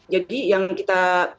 jadi yang kita